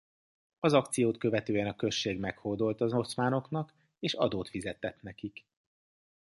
Az akciót követően a község meghódolt az oszmánoknak és adót fizetett nekik.